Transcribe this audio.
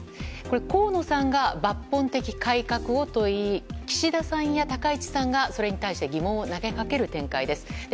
河野さんが抜本的改革をと言い岸田さんや高市さんがそれに対して疑問を投げかける展開です。